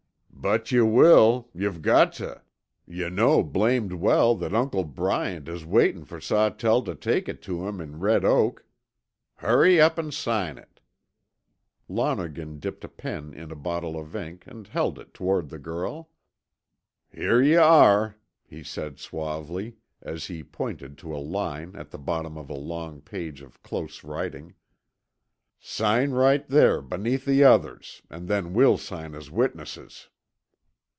"But yuh will, you've got tuh, yuh know blamed well that Uncle Bryant is waitin' fer Sawtell tuh take it to him in Red Oak. Hurry up an' sign it." Lonergan dipped a pen in a bottle of ink and held it toward the girl. "Here you are," he said suavely, as he pointed to a line at the bottom of a long page of close writing. "Sign right there beneath the others and then we'll sign as witnesses."